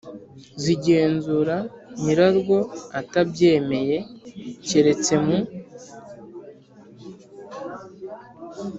Z'igenzura nyirarwo atabyemeye, keretse mu